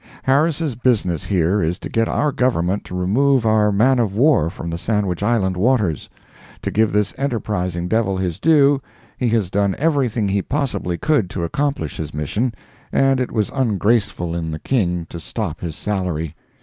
Harris' business here is to get our Government to remove our man of war from the Sandwich Island waters. To give this enterprising devil his due, he has done everything he possibly could do to accomplish his mission, and it was ungraceful in the King to stop his salary.